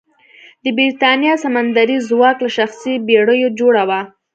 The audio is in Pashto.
د برېتانیا سمندري ځواک له شخصي بېړیو جوړه وه.